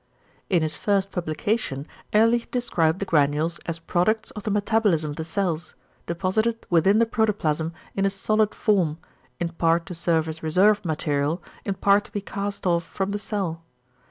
In his first publication Ehrlich described the =granules as products of the metabolism of the cells=, deposited within the protoplasm in a solid form, in part to serve as reserve material, in part to be cast off from the cell.